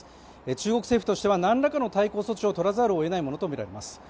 中国政府としては何らかの対抗措置を取らざるをえないものと思われます。